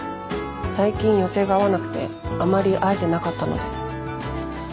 最近予定が合わなくてあまり会えてなかったので。